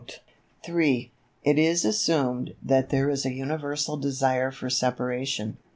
It is assumed that there is a universal desire for Separation.